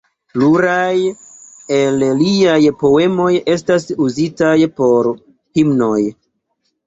Pluraj el liaj poemoj estas uzitaj por himnoj.